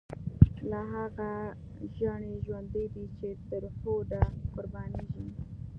لاهغه ژڼی ژوندی دی، چی ترهوډه قربانیږی